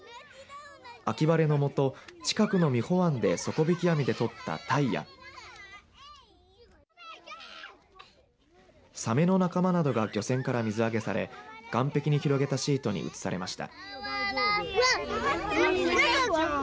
秋晴れの下、近くの美保湾で底引き網で取った、たいやさめの仲間などが漁船から水揚げされ岸壁に広げたシートに移されました。